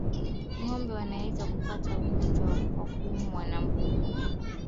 Ngombe wanaweza kupata ugonjwa kwa kuumwa na mbungo